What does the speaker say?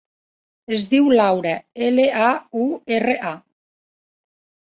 Es diu Laura: ela, a, u, erra, a.